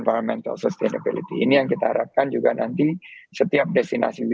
kita mudah pakai resiko yang ideologi dan lebih prejudik